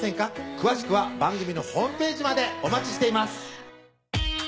詳しくは番組のＨＰまでお待ちしています